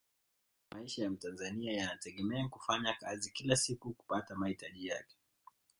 maisha ya mtanzania yanategemea kufanya kazi kila siku kupata mahitaji yake